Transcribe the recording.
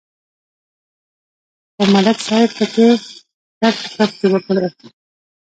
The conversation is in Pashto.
خو ملک صاحب پکې ټرتې پرتې وکړې